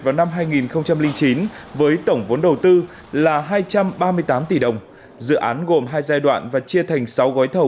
vào năm hai nghìn chín với tổng vốn đầu tư là hai trăm ba mươi tám tỷ đồng dự án gồm hai giai đoạn và chia thành sáu gói thầu